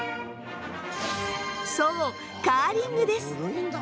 そうカーリングです。